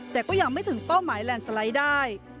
แต่ก็ยังไม่ถึงเป้าหมายแลนด์สไลด์ได้